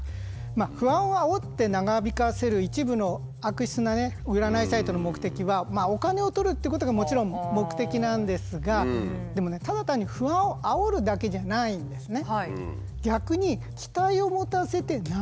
不安をあおって長引かせる一部の悪質な占いサイトの目的はお金を取るってことがもちろん目的なんですがでもねただ単に不安をあおるだけじゃないんですね。